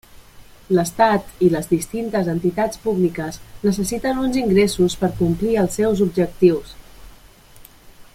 L'estat i les distintes entitats públiques necessiten uns ingressos per complir els seus objectius.